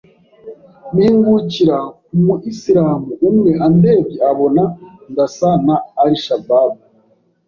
mpingukira ku mu islam umwe andebye abona ndasa na al Shabab